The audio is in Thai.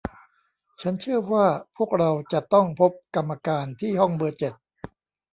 ฉันเชื่อว่าพวกเราจะต้องพบกรรมการที่ห้องเบอร์เจ็ด